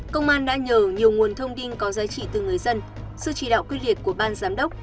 công an đã nhờ nhiều nguồn thông tin có giá trị từ người dân sự chỉ đạo quyết liệt của ban giám đốc